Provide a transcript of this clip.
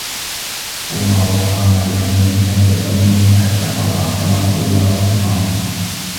صلى وصام لأمر كان يأمله حتى قضاه فما صلى ولا صاما